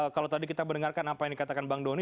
kalau tadi kita mendengarkan apa yang dikatakan bang doni